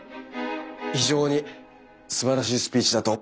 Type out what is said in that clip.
非常にすばらしいスピーチだと。